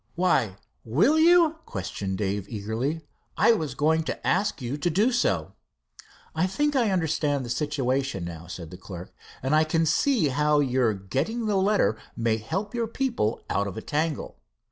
"Why, will you?" questioned Dave eagerly. "I was going to ask you to do so." "I think I understand the situation now," said the clerk, "and I can see how your getting the letter may help your people out of a tangle.